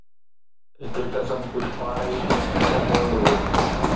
هتي ته سڀ ڪجهه پاڻ ئي ڪرڻو پوندو هو